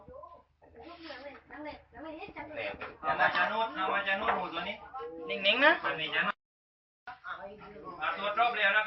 คุณบอกทางฝั่งหลังว่าจะมีมีอัศวินดีแต่เหมือนเกือบท่ายมาก